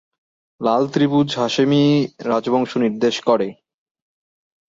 লাল ত্রিভুজ হাশেমি রাজবংশ নির্দেশ করে।